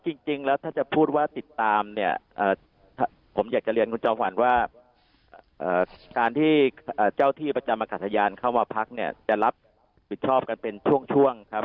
จริงแล้วถ้าจะพูดว่าติดตามเนี่ยผมอยากจะเรียนคุณจอมขวัญว่าการที่เจ้าที่ประจำอากาศยานเข้ามาพักเนี่ยจะรับผิดชอบกันเป็นช่วงครับ